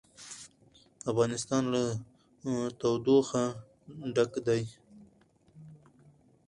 افغانستان له تودوخه ډک دی.